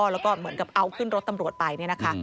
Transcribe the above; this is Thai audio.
แล้วก็เหมือนกับเอาขึ้นรถตำรวจไปเนี่ยนะคะ